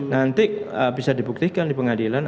nanti bisa dibuktikan di pengadilan